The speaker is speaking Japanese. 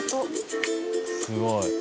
すごい。